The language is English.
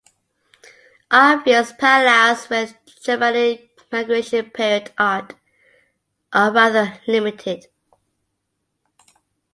Obvious parallels with Germanic Migration Period art are rather limited.